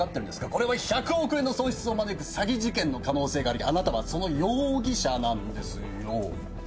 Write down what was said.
これは１００億円の損失を招く詐欺事件の可能性がありあなたはその容疑者なんですよ